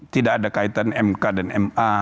tidak ada kaitan mk dan ma